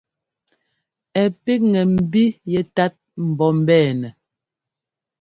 Ɛ píkŋɛ mbí yɛ́tát mbɔ́ mbɛɛnɛ.